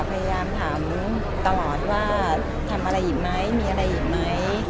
พยายามถามตลอดว่าทำอะไรอีกไหมมีอะไรอีกไหม